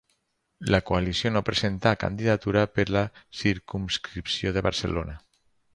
La coalició no presentà candidatura per la circumscripció de Barcelona.